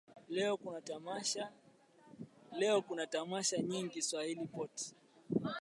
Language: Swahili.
Leo kuna tamasha nyingi swahili pot.